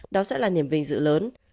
đó sẽ là niềm vinh dự lớn